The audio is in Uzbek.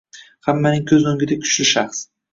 Hammaning ko’z o’ngida kuchli shaxs